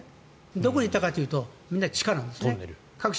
どこに行ったかというとみんな地下なんです。